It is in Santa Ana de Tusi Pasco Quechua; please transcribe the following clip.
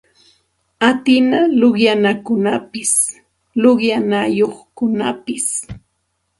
Llapa simipa manaña rakiy atina luqyanakunapas luqyanayuqkunapas